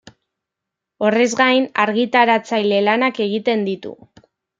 Horrez gain, argitaratzaile lanak egiten ditu.